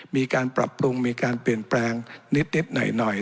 มีการปรับปรุงมีการเปลี่ยนแปลงนิดหน่อย